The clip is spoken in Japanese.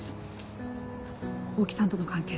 大木さんとの関係